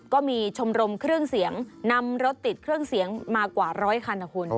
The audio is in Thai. ก็มีชมรมเครื่องเสียงนำรถติดเครื่องเสียงมากว่าร้อยคันนะคุณ